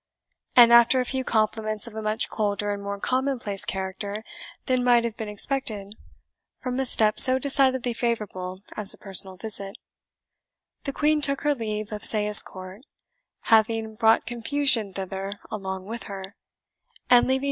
And after a few compliments of a much colder and more commonplace character than might have been expected from a step so decidedly favourable as a personal visit, the Queen took her leave of Sayes Court, having brought confusion thither along with her, and leaving doubt and apprehension behind.